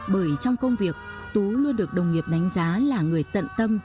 bởi trong công việc tú luôn được đồng nghiệp đánh giá là người tận tâm